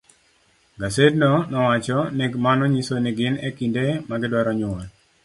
Gasedno nowacho ni mano nyiso ni gin e kinde ma gidwaro nyuol.